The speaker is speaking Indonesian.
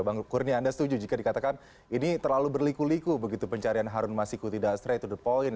bang kurnia anda setuju jika dikatakan ini terlalu berliku liku begitu pencarian harun masiku tidak straight to the point